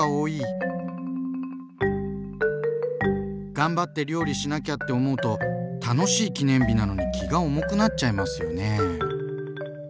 頑張って料理しなきゃって思うと楽しい記念日なのに気が重くなっちゃいますよね。